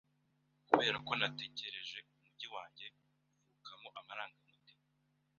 Kuberako natekereje umujyi wanjye mvukamo amarangamutima